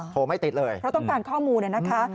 โทรไม่ติดเลยเพราะต้องการข้อมูลนะ